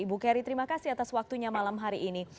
ibu keri terima kasih atas waktunya malam hari ini